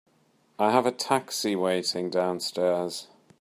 I have a taxi waiting downstairs.